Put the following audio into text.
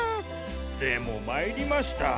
でもまいりました。